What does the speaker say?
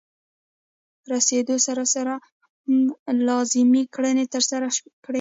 رسیدو سره سم لازمې کړنې ترسره کړئ.